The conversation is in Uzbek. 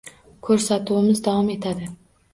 Ko‘rsatuvimiz davom etadi.